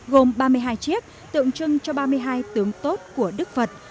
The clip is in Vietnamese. gồm ba mươi hai chiếc tượng trưng cho ba mươi hai tướng tốt của đức phật